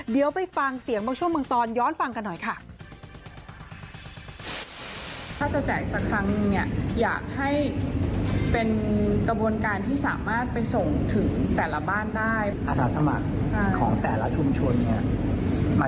เดี๋ยวไปฟังเสียงบางช่วงบางตอนย้อนฟังกันหน่อยค่ะ